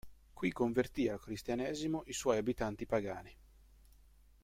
Qui convertì al Cristianesimo i suoi abitanti pagani.